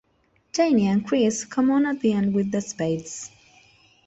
Jayne and Chris come on at the end with the spades.